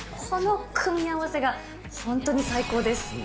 この組み合わせが本当に最高です。